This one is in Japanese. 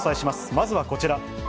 まずはこちら。